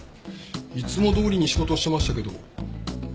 いつもどおりに仕事してましたけど。